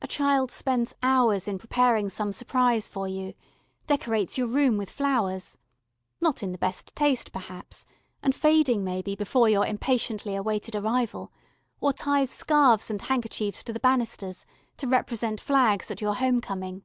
A child spends hours in preparing some surprise for you decorates your room with flowers, not in the best taste perhaps, and fading maybe before your impatiently awaited arrival or ties scarves and handkerchiefs to the banisters to represent flags at your home coming.